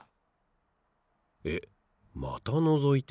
えっまたのぞいてる。